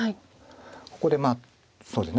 ここでそうですね